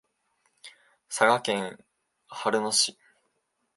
佐賀県嬉野市